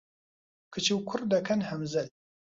کچ و کوڕ دەکەن هەمزەل